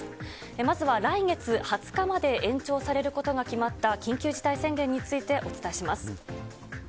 まずは来月２０日まで延長されることが決まった緊急事態宣言についてお伝えします。